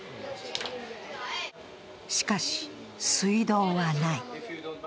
しかし、水道はない。